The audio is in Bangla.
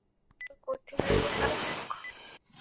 ধড় ধড় করতে লাগল তার বুক।